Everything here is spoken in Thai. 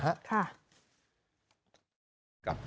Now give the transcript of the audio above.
ตอนนี้พระบุรุษฯนัยการฐานประชาชน